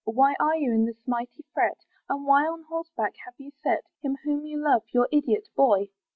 Why are you in this mighty fret? And why on horseback have you set Him whom you love, your idiot boy?